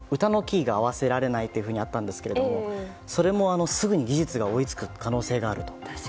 あと、ＶＴＲでは音声ＡＩは歌のキーが合わせられないとあったんですけどそれもすぐに技術が追いつく可能性があると。